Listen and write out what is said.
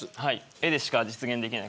絵でしか実現できない